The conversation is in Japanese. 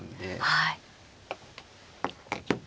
はい。